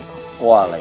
aku mau ke bumi